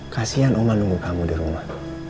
kasian oma nunggu kamu di rumah